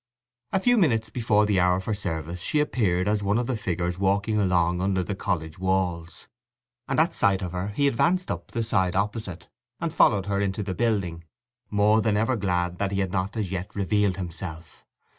A few minutes before the hour for service she appeared as one of the figures walking along under the college walls, and at sight of her he advanced up the side opposite, and followed her into the building, more than ever glad that he had not as yet revealed himself.